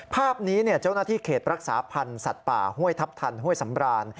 ภาพนี้เจ้าหน้าที่เขตรักษาพันธ์สัตว์ป่าห้วยทัพทันห้วยสำราน